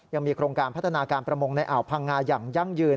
ยังมีโครงการพัฒนาการประมงในอ่าวพังงาอย่างยั่งยืน